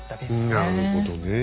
なるほどねえ。